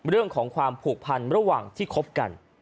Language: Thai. เรื่องของความผูกพันระหว่างที่คบกัน